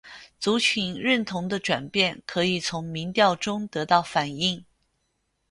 族群认同的转变可以从民调中得到反映。